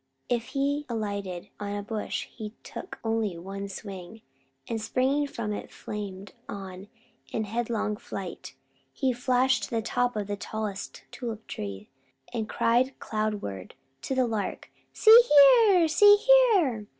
If he alighted on a bush he took only one swing, and springing from it flamed on in headlong flight. He flashed to the top of the tallest tulip tree, and cried cloudward to the lark: "See here! See here!"